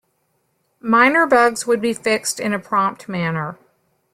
Minor bugs would be fixed in a prompt manner.